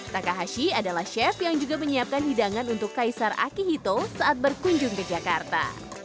taka hashi adalah chef yang juga menyiapkan hidangan untuk kaisar akihito saat berkunjung ke jakarta